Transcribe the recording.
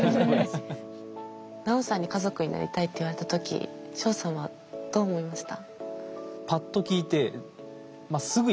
ナオさんに「家族になりたい」って言われた時ショウさんはどう思いました？